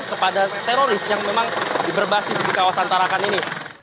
kepada teroris yang memang berbasis di kawasan tarakan ini